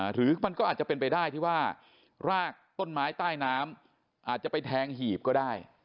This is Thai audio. หรือมันก็อาจจะเป็นไปได้ที่ว่ารากต้นไม้ใต้น้ำอาจจะไปแทงหีบก็ได้